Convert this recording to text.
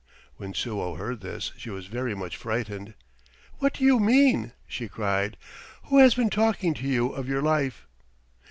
When Suo heard this she was very much frightened. "What do you mean?" she cried. "Who has been talking to you of your life?"